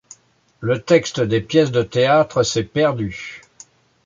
Le texte des pièces de théâtre s'est perdu.